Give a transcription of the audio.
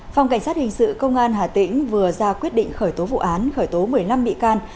phòng cảnh sát hình sự công an hà tĩnh vừa ra quyết định khởi tố vụ án khởi tố một mươi năm bị can